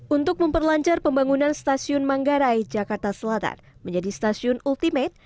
untuk memperlancar pembangunan stasiun manggarai jakarta selatan menjadi stasiun ultimate